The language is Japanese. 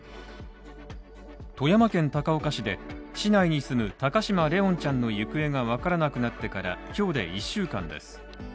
富山県高岡市で、市内に住む高嶋怜音ちゃんの行方が分からなくなってから今日で１週間です。